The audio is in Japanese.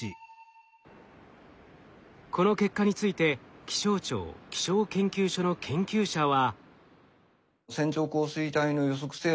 この結果について気象庁気象研究所の研究者は。